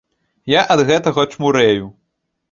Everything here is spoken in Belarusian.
Я ад гэтага чмурэю.